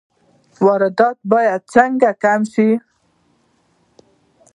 واردات باید څنګه کم شي؟